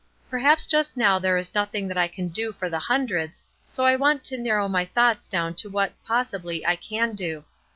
Perhaps just now there is nothing that I can do for the hundreds, so I want to narrow my thoughts down to what, possibly, I can do.